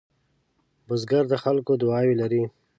بزګر د خلکو دعاوې لري